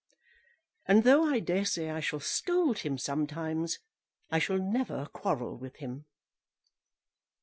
And though I dare say, I shall scold him sometimes, I shall never quarrel with him.'